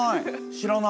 知らない。